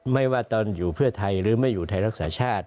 ไม่ว่าตอนอยู่เพื่อไทยหรือไม่อยู่ไทยรักษาชาติ